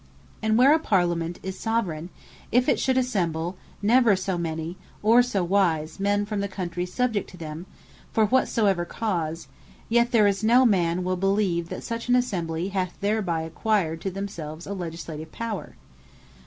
And where a Parlament is Soveraign, if it should assemble never so many, or so wise men, from the Countries subject to them, for whatsoever cause; yet there is no man will believe, that such an Assembly hath thereby acquired to themselves a Legislative Power.